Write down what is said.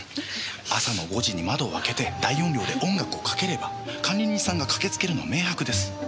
朝の５時に窓を開けて大音量で音楽をかければ管理人さんが駆けつけるのは明白です。